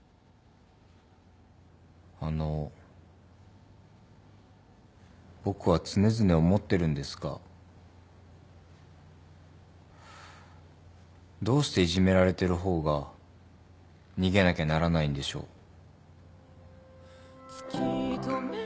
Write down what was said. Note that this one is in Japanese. あの僕は常々思ってるんですがどうしていじめられてる方が逃げなきゃならないんでしょう。